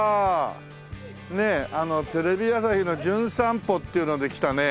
ねえあのテレビ朝日の『じゅん散歩』っていうので来たね